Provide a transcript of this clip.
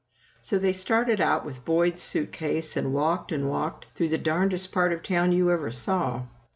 So they started out with Boyd's suitcase, and walked and walked through the "darndest part of town you ever saw."